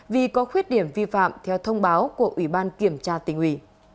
vì có khuyết điểm vi phạm theo thông báo của ủy ban kiểm tra tỉnh ủy